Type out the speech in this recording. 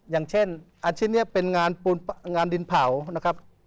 อย่างเช่นอาชีพนี้เป็นงานดินเผานะครับ